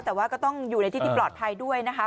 แต่ว่าก็ต้องอยู่ในที่ที่ปลอดภัยด้วยนะคะ